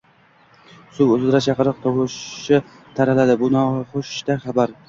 Suv uzra chaqiriq tovushi taraladi — bu nonushta xabari.